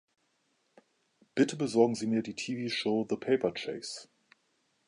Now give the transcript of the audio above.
Bitte besorgen Sie mir die TV-Show „The Paper Chase“.